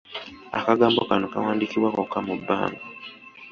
Akagambo kano kawandiikibwa kokka mu bbanga.